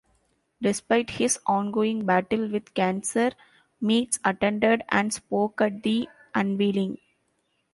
Despite his ongoing battle with cancer, Meads attended and spoke at the unveiling.